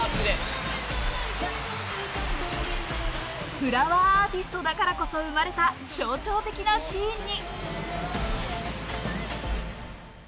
フラワーアーティストだからこそ生まれた象徴的なシーンに。